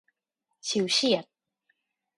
ฉิวเฉียด